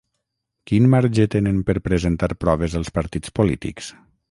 Quin marge tenen per presentar proves els partits polítics?